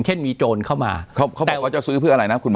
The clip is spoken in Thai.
เช่นมีโจรเข้ามาเขาบอกว่าจะซื้อเพื่ออะไรนะคุณหมอ